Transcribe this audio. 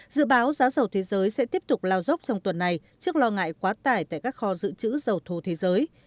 dự báo giá dầu thế giới sẽ tiếp tục lao dốc trong tuần này trước lo ngại quá tải tại các kho dự trữ dầu thô thế giới